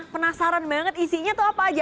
penasaran banget isinya tuh apa aja